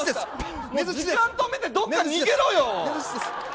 時間止めてどっか逃げろよ。